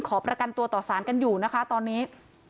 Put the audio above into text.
ขอประกันตัวต่อสารกันอยู่นะคะตอนนี้